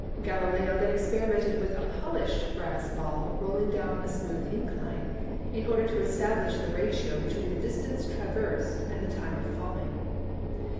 Galileo then experimented with a polished brass ball rolling down a smooth incline, in order to establish the ratio between the distance traversed and the time of fall ing.